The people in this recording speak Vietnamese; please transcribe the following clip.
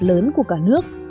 lớn của cả nước